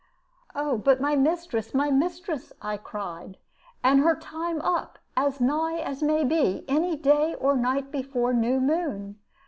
"'Oh, but my mistress, my mistress!' I cried; 'and her time up, as nigh as may be, any day or night before new moon.